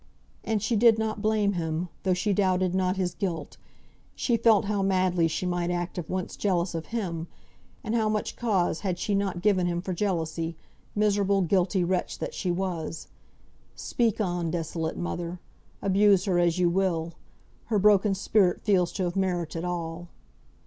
And she did not blame him, though she doubted not his guilt; she felt how madly she might act if once jealous of him, and how much cause had she not given him for jealousy, miserable guilty wretch that she was! Speak on, desolate mother! Abuse her as you will. Her broken spirit feels to have merited all.